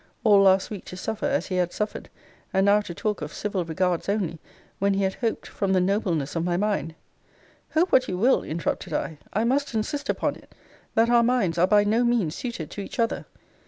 All last week to suffer as he had suffered; and now to talk of civil regards only, when he had hoped, from the nobleness of my mind Hope what you will, interrupted I, I must insist upon it, that our minds are by no means suited to each other.